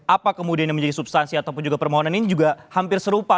apa kemudian yang menjadi substansi ataupun juga permohonan ini juga hampir serupa